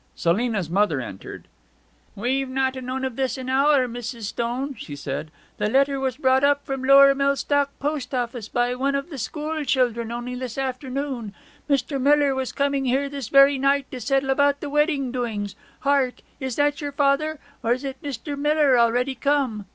Selina's mother entered. 'We've not known of this an hour, Mrs. Stone,' she said. 'The letter was brought up from Lower Mellstock Post office by one of the school children, only this afternoon. Mr. Miller was coming here this very night to settle about the wedding doings. Hark! Is that your father? Or is it Mr. Miller already come?'